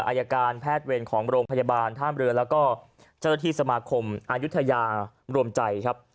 อายการแพทย์เวรของโรงพยาบาลท่ามเรือแล้วก็เจ้าหน้าที่สมาคมอายุทยารวมใจครับ